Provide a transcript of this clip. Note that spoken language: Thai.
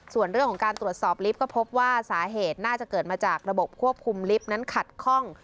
ส่วนเรื่องของการตรวจสอบลิฟต์ก็พบว่าสาเหตุน่าจะเกิดมาจากระบบควบคุมลิฟต์นั้นขัดข้อง